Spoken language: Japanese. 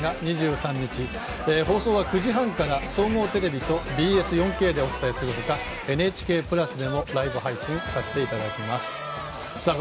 ２３日、放送は９時半から総合テレビとＢＳ４Ｋでお伝えするほかＮＨＫプラスでもライブ配信をさせていただきます。